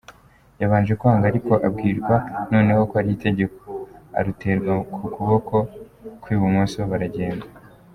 Yabanje kwanga ariko abwirwa noneho ko ari itegeko, aruterwa ku kuboko ku ibumoso, baragenda.